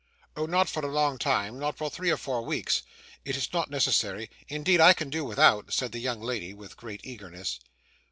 'Oh, not for a long time, not for three or four weeks; it is not necessary, indeed; I can do without,' said the young lady, with great eagerness.